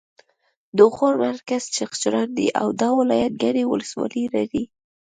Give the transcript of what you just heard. د غور مرکز چغچران دی او دا ولایت ګڼې ولسوالۍ لري